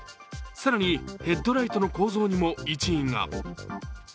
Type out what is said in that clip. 更に、ヘッドライトの構造にも一因が。